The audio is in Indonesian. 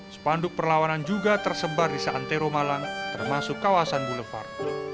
sepanduk perlawanan juga tersebar di santero malang termasuk kawasan boulevar